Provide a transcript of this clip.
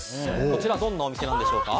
こちらはどんなお店なんでしょうか。